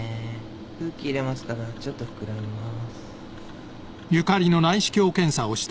空気入れますからちょっと膨らみます。